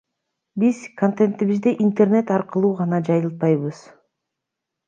Биз контентибизди интернет аркылуу гана жайылтпайбыз.